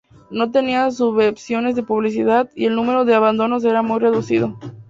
No tenía subvenciones de publicidad y el número de abonados era muy reducido.